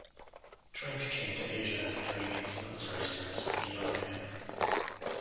Trink came to Asia during his military service as a young man.